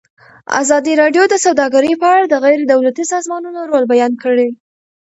ازادي راډیو د سوداګري په اړه د غیر دولتي سازمانونو رول بیان کړی.